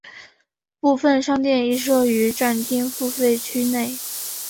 部分商店亦设于站厅付费区内。